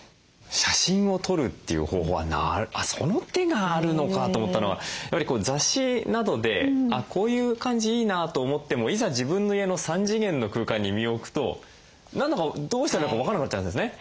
写真を撮るっていう方法はその手があるのかと思ったのはやはりこう雑誌などであっこういう感じいいなと思ってもいざ自分の家の３次元の空間に身を置くと何だかどうしたらいいのか分かんなくなっちゃうんですね。